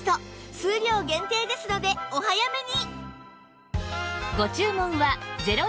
数量限定ですのでお早めに！